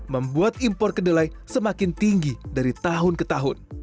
membuat impor kedelai semakin tinggi dari tahun ke tahun